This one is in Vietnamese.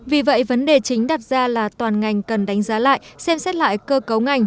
vì vậy vấn đề chính đặt ra là toàn ngành cần đánh giá lại xem xét lại cơ cấu ngành